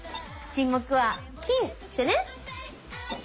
沈黙は「金」ってね！